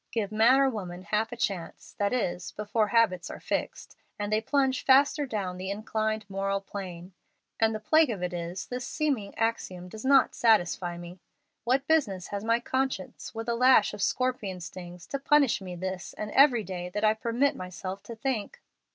Give man or woman half a chance, that is, before habits are fixed, and they plunge faster down the inclined moral plane. And the plague of it is, this seeming axiom does not satisfy me. What business has my conscience, with a lash of scorpion stings, to punish me this and every day that I permit myself to think?